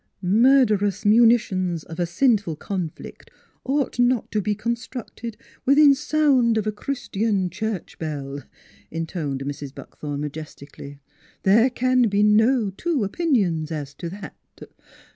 " Murderous munitions of a sinful conflict ought not to be con structed within sound of a Chr istian church bell !" intoned Mrs. Buckthorn majestically. " There can be no two o pinions as to that.